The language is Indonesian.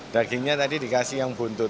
dagingnya tadi dikasih yang buntut